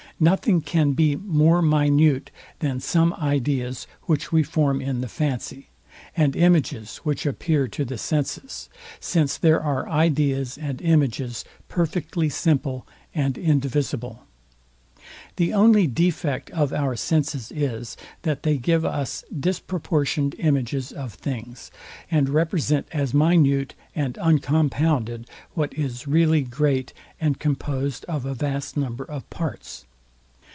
Nothing can be more minute, than some ideas, which we form in the fancy; and images, which appear to the senses; since there are ideas and images perfectly simple and indivisible. The only defect of our senses is, that they give us disproportioned images of things, and represent as minute and uncompounded what is really great and composed of a vast number of parts.